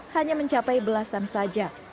hanya mencapai belasan saja